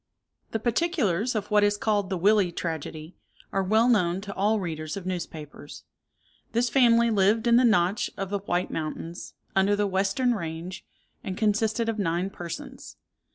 The particulars of what is called the Willey Tragedy are well known to all readers of newspapers. This family lived in the Notch of the White Mountains, under the western range, and consisted of nine persons.